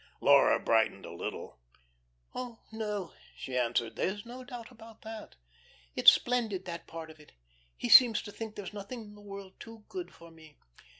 Laura brightened a little. "Oh, no," she answered, "there's no doubt about that. It's splendid, that part of it. He seems to think there's nothing in the world too good for me.